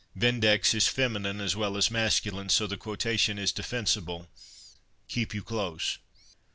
Vindex is feminine as well as masculine, so the quotation is defensible.—Keep you close."